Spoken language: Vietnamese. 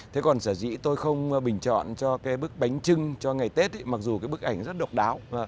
thế còn sở dĩ tôi không bình chọn cho cái bức bánh trưng cho ngày tết mặc dù cái bức ảnh rất độc đáo